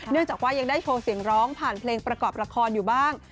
จากว่ายังได้โชว์เสียงร้องผ่านเพลงประกอบละครอยู่บ้าง